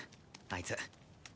あいつ。